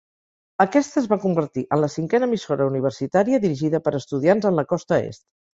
Aquesta es va convertir en la cinquena emissora universitària dirigida per estudiants en la costa est.